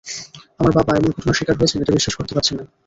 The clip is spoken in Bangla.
আমার বাবা এমন ঘটনার শিকার হয়েছেন, এটা বিশ্বাস করতে পারছি না।